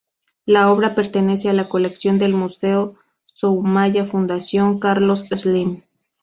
La obra pertenece a la colección del Museo Soumaya Fundación Carlos Slim.